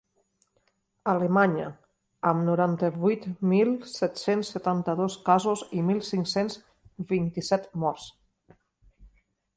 Alemanya, amb noranta-vuit mil set-cents setanta-dos casos i mil cinc-cents vint-i-set morts.